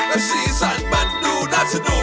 และสีสันมันดูน่าสนุก